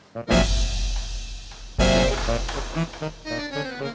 jangan sembarangan dong nonton warna